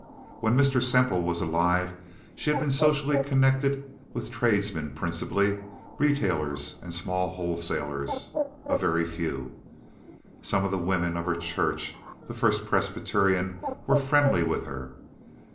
When Mr. Semple was alive she had been socially connected with tradesmen principally—retailers and small wholesalers—a very few. Some of the women of her own church, the First Presbyterian, were friendly with her.